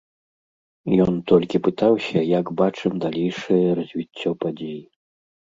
Ён толькі пытаўся, як бачым далейшае развіццё падзей.